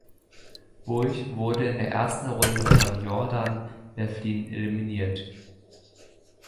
Burch wurde in der ersten Runde von Jordan Devlin eliminiert.